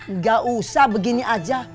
nggak usah begini aja